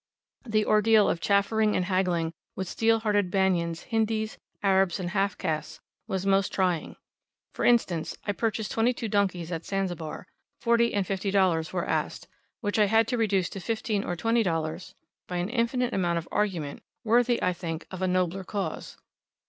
The ordeal of chaffering and haggling with steel hearted Banyans, Hindis, Arabs, and half castes was most trying. For instance, I purchased twenty two donkeys at Zanzibar. $40 and $50 were asked, which I had to reduce to $15 or $20 by an infinite amount of argument worthy, I think, of a nobler cause.